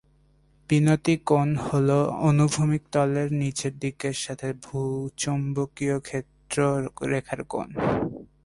বিনতি কোণ হল অনুভূমিক তলের নীচের দিকের সাথে ভূচৌম্বকীয় ক্ষেত্র রেখার কোণ।